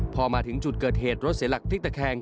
พอมาถึงจุดเกิดเหตุรถเสียหลักพลิกตะแคง